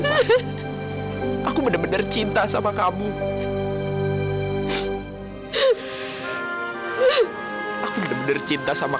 kamu berat dapat yang lebih sempurna